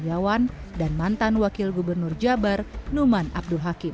dki jawa barat ridwan kamil dan numan abdul hakim gubernur dki jawa barat ridwan kamil dan numan abdul hakim